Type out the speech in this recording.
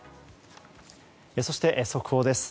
そして速報です。